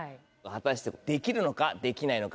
果たしてできるのかできないのか。